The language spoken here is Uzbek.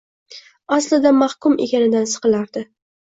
Aslida mahkum ekanidan siqilardi.